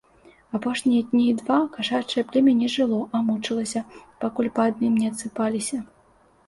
Апошнія дні два кашачае племя не жыло, а мучылася, пакуль па адным не адсыпаліся.